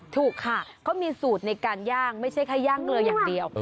ถูกค่ะเขามีสูตรในการย่างไม่ใช่แค่ย่างเกลืออย่างเดียว